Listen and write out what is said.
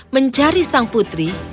mencari sang putri